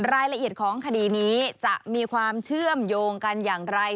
รายละเอียดของคดีนี้จะมีความเชื่อมโยงกันอย่างไร